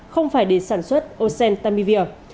không phải để sản xuất ocentamivir